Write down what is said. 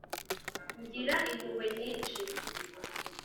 ngira impuhwe nyinshi